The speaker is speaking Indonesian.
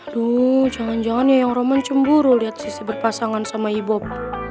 aduh jangan jangan yang roman cemburu lihat sissy berpasangan sama ibob